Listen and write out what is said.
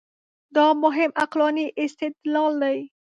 دا مهم عقلاني استدلال دی.